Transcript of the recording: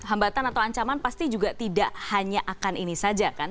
hambatan atau ancaman pasti juga tidak hanya akan ini saja kan